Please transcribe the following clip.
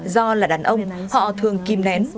do là đàn ông họ thường kìm nén